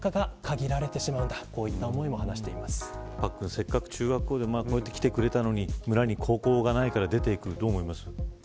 せっかく中学に来てくれたのに村には高校がないから出て行くどう思いますか。